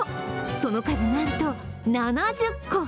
その数なんと７０個。